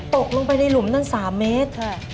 ตกลงไปในหลุมนั้น๓เมตรค่ะ